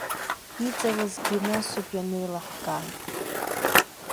Иҵалазгьы насоуп ианеилаҳкаа.